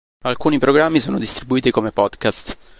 Alcuni programmi sono distribuiti come podcast.